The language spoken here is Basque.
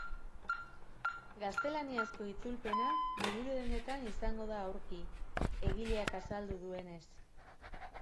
Gaztelaniazko itzulpena liburudendetan izango da aurki, egileak azaldu duenez.